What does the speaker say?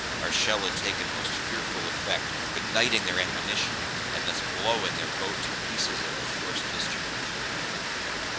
Our shell had taken most fearful effect, igniting their ammunition, and thus blowing their boat to pieces at our first discharge.